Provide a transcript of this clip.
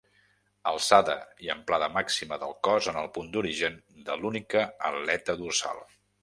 Alçada i amplada màxima del cos en el punt d'origen de l'única aleta dorsal.